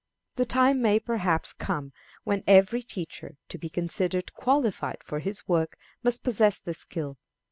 The time may, perhaps, come when every teacher, to be considered qualified for his work, must possess this skill.